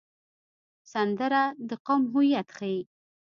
سندره د قوم هویت ښيي